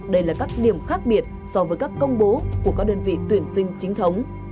đây là các điểm khác biệt so với các công bố của các đơn vị tuyển sinh chính thống